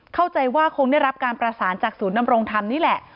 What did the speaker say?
เข้าใจว่าคงได้รับการประสานจากศูนย์นำรงธรรมนี่แหละ